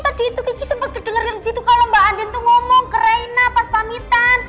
tadi itu kiki sempat didengar yang gitu kalau mbak andin tuh ngomong ke reina pas pamitan